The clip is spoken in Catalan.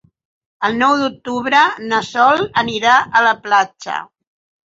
El nou d'octubre na Sol anirà a la platja.